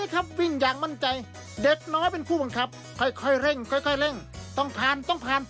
ค่อยเร่งเร่งต้องผ่านต้องผ่าน